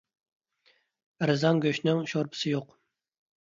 ئەرزان گۆشنىڭ شورپىسى يوق.